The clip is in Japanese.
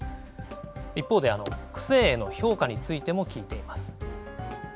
一方で区政への評価についても聞いています。